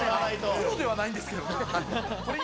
プロではないんですけれど。